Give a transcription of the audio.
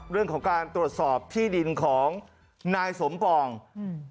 เรื่องของการตรวจสอบที่ดินของนายสมปองอืม